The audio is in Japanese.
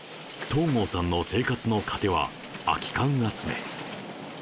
東郷さんの生活の糧は空き缶集め。